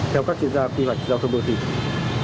theo các chuyên gia kỳ vạch giao thông bộ tỉnh